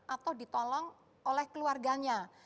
atau ditolong oleh keluarganya